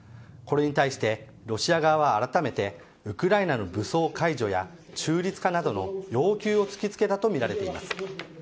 これに対してロシア側はあらためてウクライナの武装解除や中立化などの要求を突きつけたとみられています。